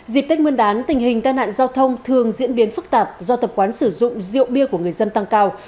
dịp tết nguyên đán tình hình tai nạn giao thông thường diễn biến phức tạp do tập quán sử dụng rượu bia của người dân tăng cao